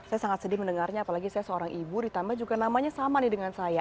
saya sangat sedih mendengarnya apalagi saya seorang ibu ditambah juga namanya sama nih dengan saya